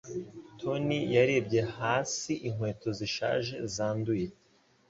Tony yarebye hasi inkweto zishaje zanduye.